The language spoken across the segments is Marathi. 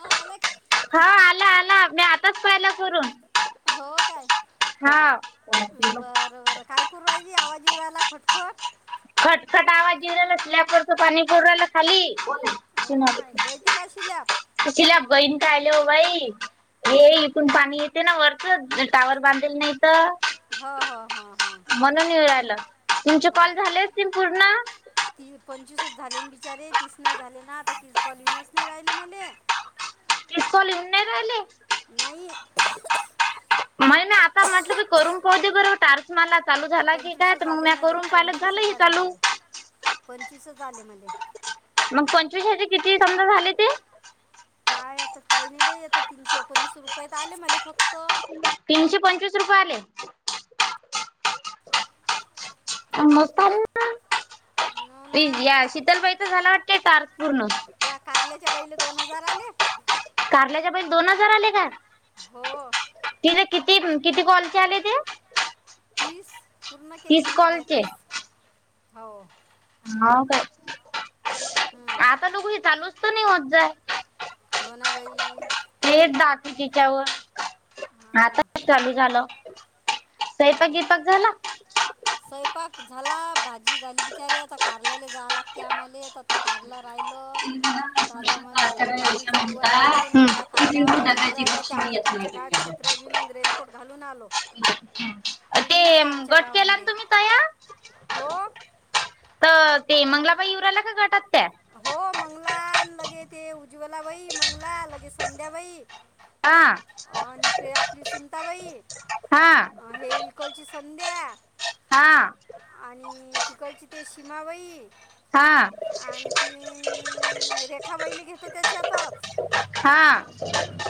हो आलं क- हा आला आला मी आताच पाहिला करून. हो काय हा बरं बर काय? करू राहिली आवाज येवू रायला खटखट. खटखट आवाज येवू राहिला स्लॅप वरच पाणी पडू रायल खाली कोणये? कोण हो आली माय गळते का शिल्याप कसाल्या बहीण काले हो बाई. ये इकडुन पाणी येते ना वरच टावर बांधेल ना इथं. हो हो हो हो म्हणून येवू राहिलं तुमचे कॉल बरं झाले असतील पूर्ण. ती पंचवीसच झाले न बिचारे तीस नाही झाले ना आता तीच कॉल येऊनच नाही राहिले मले. तीस कॉल येवून नाही रायले. नाही. महीना आता म्हटलं की करुून पाहू दे बर तार मला चालू झाला की काय पंचवीसच तर मग आले म्या मले करून पाहिल तर झालं पंचवीसच ही आले चालू. मले पंचवीसच आले मले. मग पंचवीस ह्यजे किती समजा झाले ते. काय आता काही नाही बाई आता तीनशे एकोणीस रुपये त आले मले फक्त. तीनशे पंचवीस रुपये आले. आण मग चालेल ना. हो ना ये या शीतलबाईच झाला वाटते टार्क पूर्ण. त्या कारल्याच्या बाईला दोन हजार आले. कारल्याच्या बाईला दोन हजार आले का? हो. तिनं किती किती कॉलचे आले ते? तीस पूर्ण केले तीस म्हणती म्या कॉलचे. तीस होव. हाव काय हम्म, आता तु चालूच तर नाही होत जाय. हो ना बाई. तेच दाखवित ह्यच्यावर हां आताच चालू झालं. स्वयपाक हो बियपाक झाला. स्वयंपाक झाला भाजी झाली बिचारे आता कारल्याले जा लागते आम्हाले तर आता कारला राहिल तर आता म्हण पाणी चालू आहे वरून त्या कारल्यावाल्या म्हणून रायल्या की आम्ही तुमच्या गावात छत्र्या घेऊन आण रेनकोट घालून आलो. हा तुम्ही ते या आमच्या गट केला ना गावांले तुम्ही. तयार हो. तर ते मंगलाबाई येवू राहील्या का गटात त्या? हो मंगला आण लगे ते उज्वला बाई मंगला लगे संध्याबाई. हा आणि कई आपली सुनताबाई हा अ हे ई तिकडची संध्या हा. आणि तिकडची ते शिमाबाई. हा. खीण रेखा बाईले घेतो त्याच्यातचं हा हा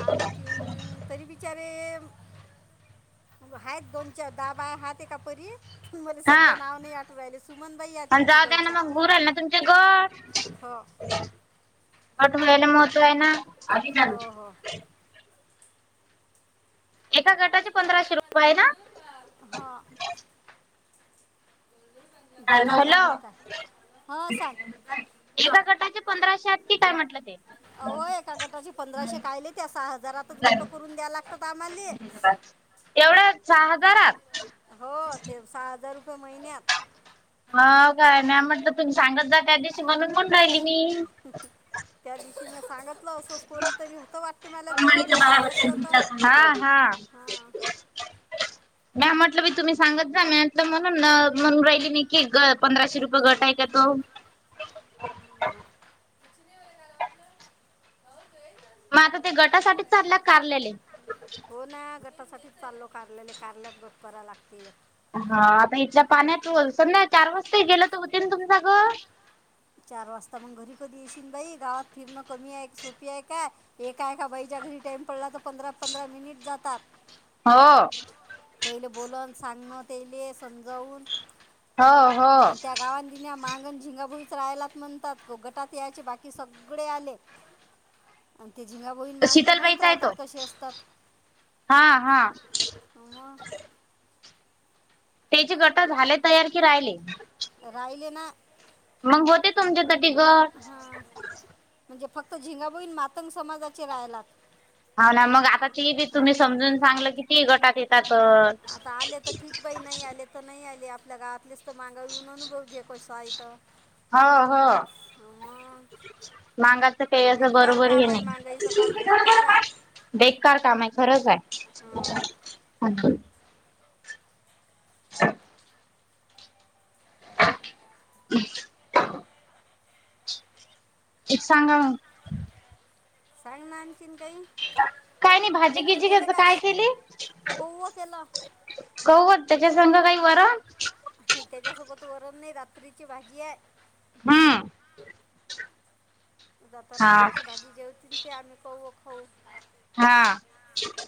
आणखि अ तरी बिचारे आहेत दोन चार दहा बाया हायत एका परी. मला हा सध्या नाव नाही आठवायले राहिले सुमनबाई आहेत एक तिकडच्या. पोरांना तुमच्या जग हो. पाटवून रायले महत्व आहे ना अभि जा ना. हो हो एका गटाचे पंधराशे रुप आहे ना. हां. जोरात हॅलो. लागलं काय हां सांग एका गटाचे पंधराशे आहेत की काय म्हटलं ते. अव एका गटाचे पंधराशे कायले त्या सहा हजारात गट करून द्या लागतात आम्हाले. एवढ्या सहा हजारात हो ते सहा हजार रुपये महिन्यात. हाव काय म्या म्हटलं तुम्ही सांगत जा त्या दिवशी म्हणून म्हणून राहिली मी. हं हं त्या दिवशी म्या सांगतलं असं कोणतरी होत वाट [unintelligible] हा हा. हां मॅ म्हटलं बी तुम्ही सांगत जा म म्हटलं म्हणून म्हणून राहिली मी की ग पंधराशे रुपये गट आहे का तो. अ हं. मग आता ते गटासाठीच चाललात कारलेले. हो ना गटासाठीच चाललो कारलेले कारल्यात गट कराव लागते एक. अ हा आता इथल्या पाण्यात समजा चार वाजताही गेले तर होते ना तुमच गट. चार वाजता मग घरी कधी येशील बाई गावात फिरणं कमी आहे सोपी आहे काय? एका एका बाईच्या घरी टाइम पडला तर पंधरा पंधरा मिनिट जातात. हो. तेले बोलन सांगण तेले समजावून. हो हो. गावां दिन्या मांगन झिंगाभुईच राहायलाच म्हणतात गटात यायचे बाकी सगळे आले. [inaudible] आणि ते झिंगा भोईण माांग तर माहीत शीतलबाईचा आहे तो राहतात कसे असतात. हा हा. मग. त्याची गट झाले तयार की राहिले? राहिले ना. मग होते तुमच्या त तिघं. हां म्हणजे फक्त झिंगाभोईन मातंग समाजाचे राहिलात. हाव ना मग आता ती बी हां तुम्ही समजून सांगलं किती गटात येतातचं. आता आले तर ठीक बाई नाही आले तर नाही आले आपल्या गावातलेच मग येऊन अनुभव घे कसाय इथं हो हा मग. मांगाच काही असं बेकार बरोबर हे काम आहे नाही. मागाईचं काम बेकार आहे बेकार काम आहे खरंच हं. आहे. [inaudible] अ. एक सांगा मग. सांग ना आणखीन काही. काय नाही भाजी लेकरं गिजी गेले ह्यचं का काय केली? कौव केलं कव होत त्याच्या संग काही वरण. ह त्याच्यासोबत वरण नाही रात्रीची भाजी आहे. हम्म. उद्या आता हा रात्रीची भाजी जेवतीन ते आम्ही कवू व खाऊ. हा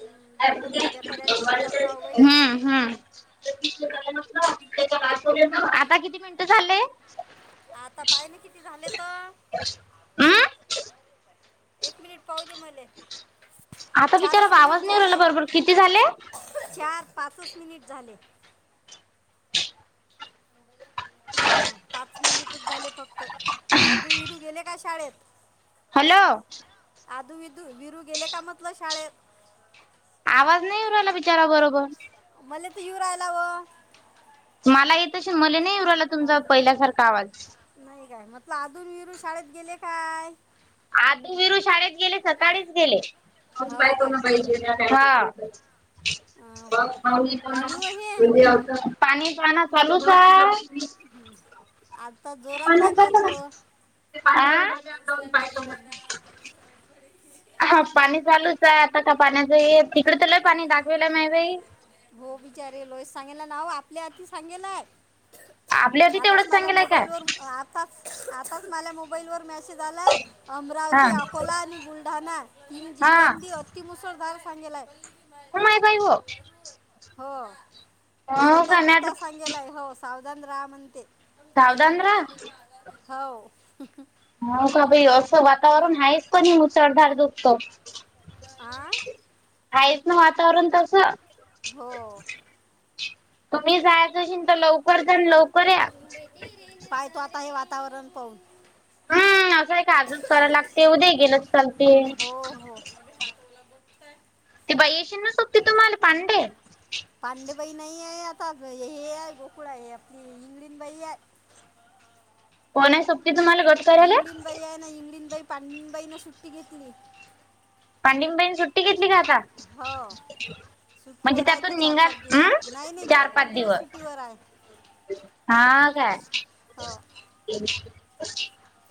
हं, दोन दोन भाज्या करायला पुरतात का हो बाई हम्म हम्म. आता किती मिनिटं झाले? आता पाय ना किती झालेत? हम् एक मिनिट पाहूदे मले. आता बिचारा चारच ब मिनिट आवाज नाई येवू रायला झाले बरोबर किती झाले? चार पाचचं मिनिट झाले. हा पाच मिनिटचं झाले फक्त आदू विरू गेले का शाळेत? हॅलो. आधु विधू विरू गेले का म्हटलं शाळेत? आवाज नाही येऊ राहिला बिचारा बरोबर. मले तर येऊ रायला व. मला येत अशीन मले नाही येऊ रायला हा तुमचा पहिल्यासारखा आवाज. नाही गाय म्हटलं अदु आण विरू शाळेत गेले काय? आदू विरू शाळेत गेले सकाळीच गेले. हो काय हा. अं, पाणी व हे पाणी पाहना चालू काय? हम्म. आता जोरात लागल थोडं. हा पाणी चालूच आहे आता का पाण्याचं ये तिकडे तर लई पाणी दाखवाला नाही बाई. हो बिचारे लोह सांगेला नाव आपल्या हाती सांगेलाय. आपल्या आधी आताच तेवढंच मला सांगेलय काय मोबाईल वरुन आता आताच मला मोबाईल वरुन मॅस सेज आला हा अमरावती, अकोला आणि बुलढाणा तीन हा जिल्ह्यधि ती मुसळधार सांगेला आहे. होम माय बाई ओ. हो का मी वाटलं सतर्कता सांगेलाय हो स सावधान राहा म्हणते सावधान राहा हो. हो का बाई असं हो वातावरण आहेच पण मुसळधार दुखत. हा. आहेच ना वातावरण तसं. हो. तुम्ही जायचं असेल तर लवकर जा आण लवकर ये. पायतो आता हे वातावरण पाऊण. हम्म असंय का आजचं कराय लागते उद्या ई गेलतर चालते. मबे हात ओला बघताय. ती बाई येशीन ना सोबती तुम्हाला पांडे. पांडेबाई नाही आहे आता हे आहे गोकुळा हे आपली इंगळीनबाई आहे. कोणाय सोबती तुमा इंगळीनबाई आहे ना इंगळीनबाई पांडीनबाईनं सुट्टी घेतली. पांडिंगबाईन सुट्टी घेतली का आता? हो. म्हणजे सुट्टीवर आहे ती त्यातून चार निघा पाच दिवस अं नाही नाही चार पाच दिवस सुट्टीवर आहे. हा काय हो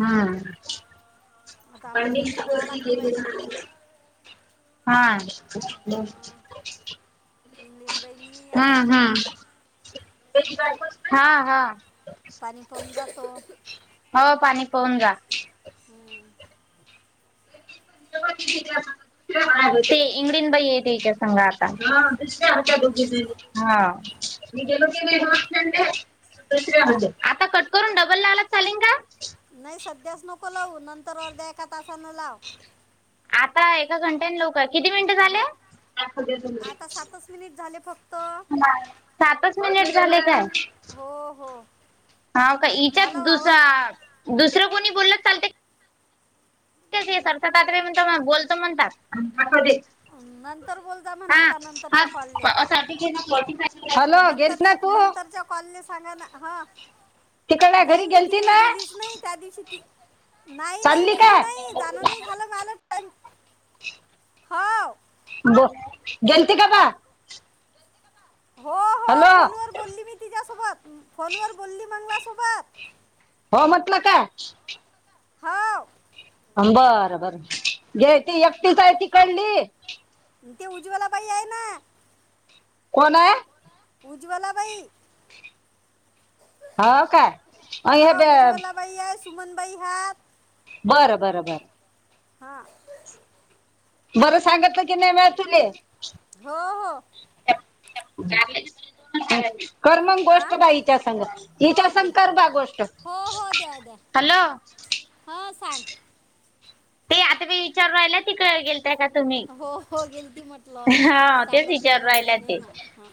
हम्म. आता हा आम्हाला दुघीला जाय लागते बाई. हा. इंगळीनबाई मी आता हम्म हम्म हा हा. पाणी पाऊन जातो. हो पाणी पाऊन जा. हम्म. अ ते इंगडीनबाई आहे तेंच्या संग आज. [unintelligible] हा. मी गेलो आता कट करून डबल लावला चालीन का? नाही सध्यास नको लावू नंतर अर्ध्या एका तासानं लाव. आता एका घंट्यानं लावू काय किती मिनिटं झाले? चं मिनिट झाले फक्त. सातंच मिनिट झाले काय? हो, हो. हाव काय हिच्यात झालं दुस वावर दुसरं कोणी बोलल तर चालते? [unintelligible] बोलतो म्हणतात. आणि [unintelligible] नंतर बोलता म्हणा आता हा नंतरच्या कॉलले. [unintelligible] नंतरच्या नंतरच्या कॉलले सांगा ना हा. नाही मी तिकडे गेलीच नाही. त्या दिवशी ती नाही, नाही चालली गेली काय? नाही. जाणं नाही झाल, पण हो. गेलती का बा? हो. हो हॅलो. फोनवर बोलली मी तिझ्यासोबत फोनवर बोलली मग माझ्यासोबत. हो म्हटलं काय? होव. बर, बर‌. गेलती एकटीच हां हाय तिकडली. ते उज्वला बाई आहे ना कोण आहे? उज्वला बाई. हाव काय? अ हे हा बे उज्ज्वलाबाई आहे सुमनबाई हायत. बरं, बरं, बरं. हां. बरं सांगतल की नाही बाई तुले. हो, हो. [unintelligible] कर मग हा गोष्ट बाई हीच्या संग, हो हिच्या संग दे कर बा गोष्ट. हो हो द्या द्या हॅलो हां सांग. ते आता मी विचारू राहिलं तिकडं गेल त्याका तुम्ही? हो हो गेलती म्हटलं हा तेच सांगितलं विचारु ना राहिल्या त्याने ते. हां हां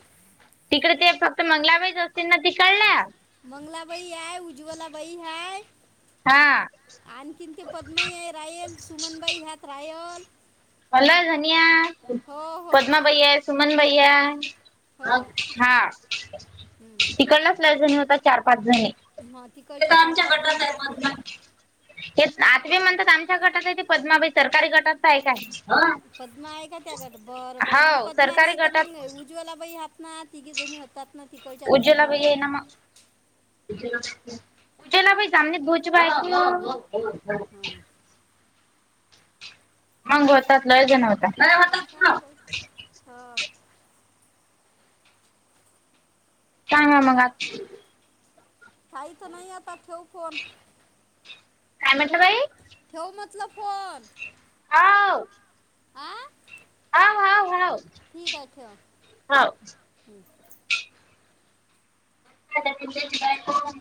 तिकडे ते फक्त मंगलाबाईच असतील ना ती कळलं. मंगलाबाई हाय, उज्ज्वलाबाई हाय. हा. आणखीन ते पद्मई आहे राह्यल सुमनबाई ह्यात राह्यल. ला निया हो पद्माबाई आहे सुमनबाई या. हो अ हा हम्म. तिकडलाच लई जणी होता चार पाच जणी. मग ते तिकडचे तर चार आमच्या पाच गटात जणी आहे आपले पद्मन. हे आतवे म्हणतात आमच्या गटात आहे ते पद्माबाई सरकारी गटातच आहे काय? पद्मा आहे का त्या गट बरं बरं मग हो पद्मा सरकारी नाही तर गटात मग उज्वला बाई ह्यात ना तिघी जणी होतात ना तिकडच्या दोघी जणी. हा मग गुचे ना बाई सामने गुच बायको हां. मांगो होतात लई जण होतात. हो सांग बाई हो. सांगा मगा काहीत नाही आता ठेव फोन. काय म्हटलं बाई? ठेव म्हटलं फोन. हाव आ? हाव हाव हाव. ठीक आहे ठेव हम्म. आता पिंट्याची बायको